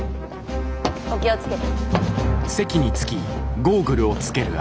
お気を付けて。